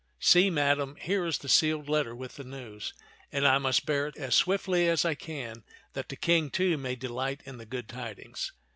See, madame, here is the sealed let ter with the news, and I must bear it as swiftly as I can, that the King, too, may delight in the good tid ings.